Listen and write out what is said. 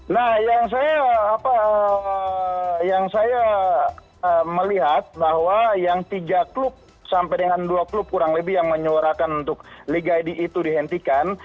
nah yang saya yang saya melihat bahwa yang tiga klub sampai dengan dua klub kurang lebih yang menyuarakan untuk liga id itu dihentikan